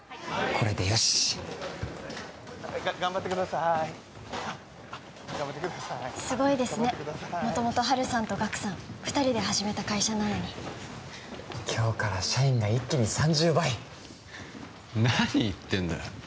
これでよし頑張ってくださいあっ頑張ってくださいすごいですね元々ハルさんとガクさん２人で始めた会社なのに今日から社員が一気に３０倍何言ってんだよ